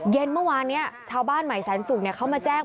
เย็นเมื่อวานนี้ชาวบ้านใหม่แสนสุกเขามาแจ้ง